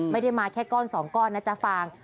ไม่ได้มาแค่ก้อนสองก้อนนะจ๊ะฟาง